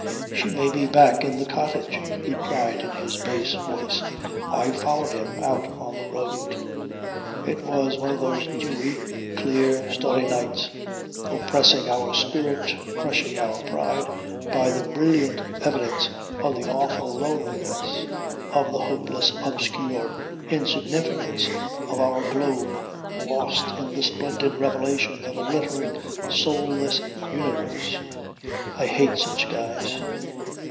"She may be back in the cottage," he cried in his bass voice. I followed him out on the road. It was one of those dewy, clear, starry nights, oppressing our spirit, crushing our pride, by the brilliant evidence of the awful loneliness, of the hopeless obscure insignificance of our globe lost in the splendid revelation of a glittering, soulless universe. I hate such skies.